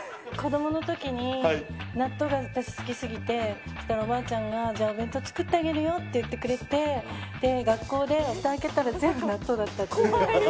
子どものときに、私、納豆が好きすぎて、そしたらおばあちゃんが、お弁当作ってあげるよって言ってくれて、学校でふた開けたら、全部納豆だったっていう。